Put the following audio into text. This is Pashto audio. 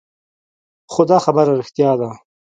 خو دا خبره رښتيا ده.